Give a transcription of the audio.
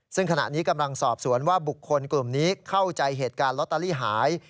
ซึ่งขณะนี้กำลังสอบสวนว่าบุคคลกลุ่มนี้เข้าใจเหตุการณ์ลอตเตอรี่หาย